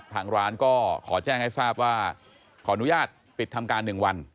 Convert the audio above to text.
ทางร้านก็ขอแจ้งให้ทราบว่าขออนุญาตปิดทำการ๑วัน